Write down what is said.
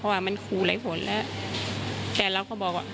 ไม่ตั้งใจครับ